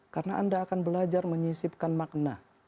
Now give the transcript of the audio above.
karena anda akan belajar menyisipkan makna